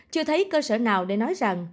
chưa thấy cơ sở nào để nói rằng